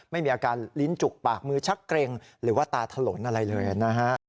ไม่มีอาการลิ้นจุกปากมือชักเกร็งหรือว่าตาถลนอะไรเลยนะฮะ